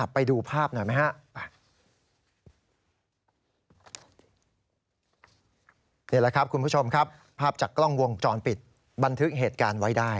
ไปดูภาพหน่อยไหมฮะ